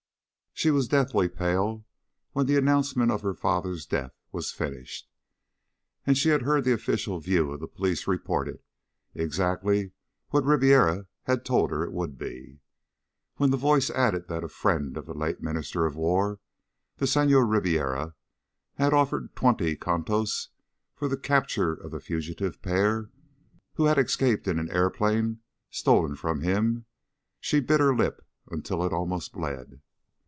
She was deathly pale when the announcement of her father's death was finished, and she had heard the official view of the police reported exactly what Ribiera had told her it would be. When the voice added that a friend of the late Minister of War, the Senhor Ribiera, had offered twenty contos for the capture of the fugitive pair, who had escaped in an airplane stolen from him, she bit her lip until it almost bled.